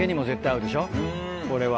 これは。